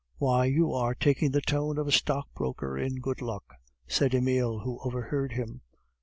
"Why, you are taking the tone of a stockbroker in good luck," said Emile, who overheard him.